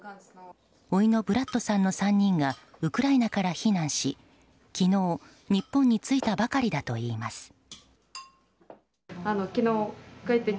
おいのブラッドさんの３人がウクライナから避難し昨日、日本に着いたばかりだといいます。